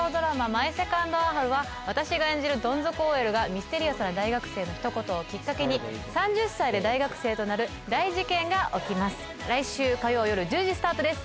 「マイ・セカンド・アオハル」は私が演じるドン底ＯＬがミステリアスな大学生の一言をキッカケに３０歳で大学生となる大事件が起きます来週火曜よる１０時スタートです